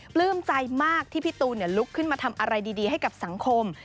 ปลื้มใจมากที่พี่ตูนลุกขึ้นมาทำอะไรดีให้กับสังคม